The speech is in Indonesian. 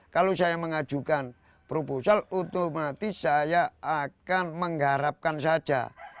kalau saya mengajukan proposal otomatis saya akan mengharapkan saja